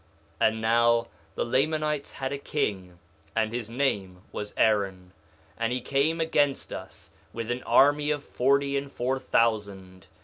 2:9 And now, the Lamanites had a king, and his name was Aaron; and he came against us with an army of forty and four thousand.